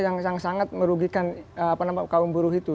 yang sangat merugikan apa namanya kaum buruh itu